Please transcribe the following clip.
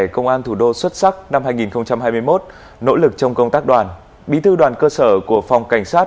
công an thủ đô xuất sắc năm hai nghìn hai mươi một nỗ lực trong công tác đoàn bí thư đoàn cơ sở của phòng cảnh sát